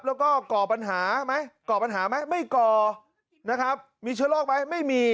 แล้วก็ก่อปัญหาไหมก่อปัญหาไหมไม่ก่อนะครับมีเชื้อโรคไหมไม่มี